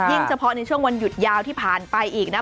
เฉพาะในช่วงวันหยุดยาวที่ผ่านไปอีกนะ